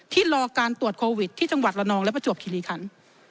รอการตรวจโควิดที่จังหวัดละนองและประจวบคิริคัน